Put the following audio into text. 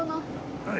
はい。